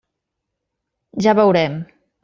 Ja veurem.